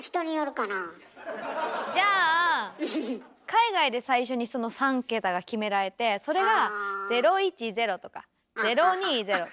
海外で最初にその３桁が決められてそれが「０１０」とか「０２０」